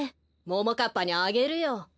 ももかっぱにあげるよ。